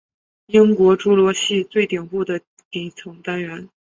英国侏罗系最顶部的地层单元。